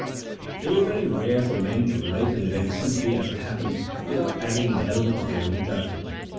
It is very rare for men to relate an event simply as it happened, without adding any element of their own judg ment.